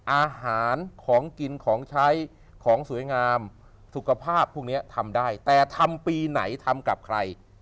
อาหารของกินของใช้ของสวยงามสุขภาพพวกนี้ทำได้แต่ทำปีไหนทำกับใคร